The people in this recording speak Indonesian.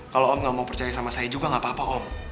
kalau om nggak mau percaya sama saya juga gak apa apa om